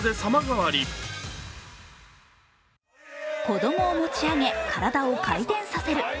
子供を持ち上げ、体を回転させる。